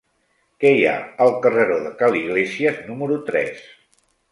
Què hi ha al carreró de Ca l'Iglésies número tres?